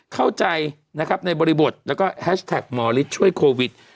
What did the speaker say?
เข้าใจในบริบทแล้วก็แฮชแทคหมอลิชช่วยโควิด